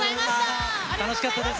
楽しかったです。